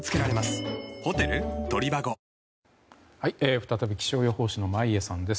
再び気象予報士の眞家さんです。